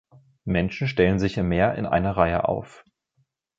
Menschen stellen sich im Meer in einer Reihe auf.